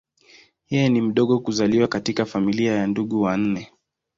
Yeye ni mdogo kuzaliwa katika familia ya ndugu wanne.